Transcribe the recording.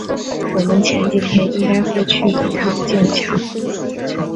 我们前几天应该会去一趟剑桥